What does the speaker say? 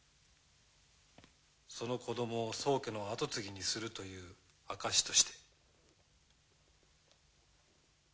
その子どもを宗家の跡継ぎにするという証しとして。